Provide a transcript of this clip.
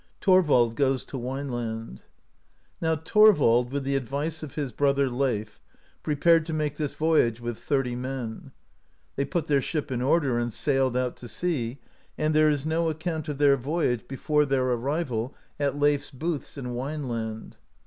THORVALD GOES TO WINELAND. Now Thorvald, with the advice of his brother, Leif, prepared to make this voyage with thirty men. They put their ship in order, and sailed out to sea; and there is no account of their voyage before their arrival at Leif's 8S AMERICA DISCOVERED BY NORSEMEN booths in Wineland.